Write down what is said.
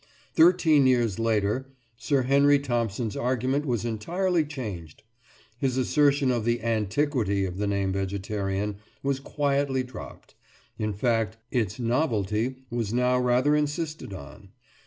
Thirteen years later Sir Henry Thompson's argument was entirely changed. His assertion of the antiquity of the name "vegetarian" was quietly dropped; in fact, its novelty was now rather insisted on.